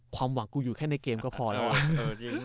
ความหวังกูอยู่แค่ในเกมก็พอแล้ว